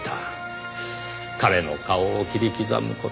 彼の顔を切り刻む事。